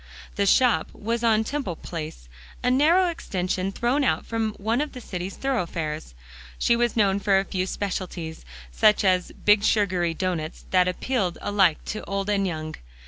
The shop was on Temple Place, a narrow extension thrown out from one of the city's thoroughfares. She was known for a few specialties; such as big sugary doughnuts that appealed alike to old and young.